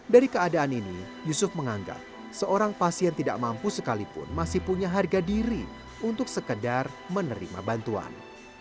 dari keadaan ini yusuf menganggap seorang pasien tidak mampu sekalipun masih punya harga diri untuk sekedar menerima bantuan